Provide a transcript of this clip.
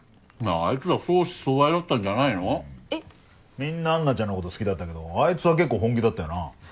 みんな安奈ちゃんのこと好きだったけどあいつは結構本気だったよな。